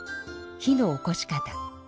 火のおこし方。